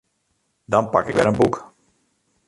Dan pak ik wer in boek.